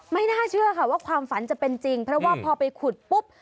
ไม่น่าเชื่อค่ะว่าความฝันจะเป็นจริงเพราะว่าพอไปขุดปุ๊บ